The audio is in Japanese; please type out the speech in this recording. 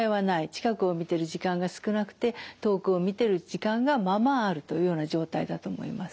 近くを見てる時間が少なくて遠くを見てる時間がまあまああるというような状態だと思います。